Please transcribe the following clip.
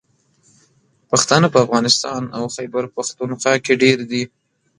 پښتانه په افغانستان او خیبر پښتونخوا کې ډېر دي.